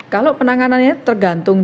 kalau penanganannya tergantung